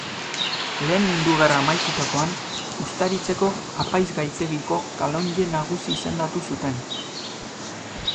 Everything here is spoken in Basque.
Lehen Mundu Gerra amaitutakoan, Uztaritzeko apaizgaitegiko kalonje nagusi izendatu zuten.